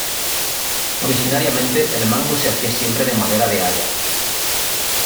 Originariamente el mango se hacía siempre de madera de haya.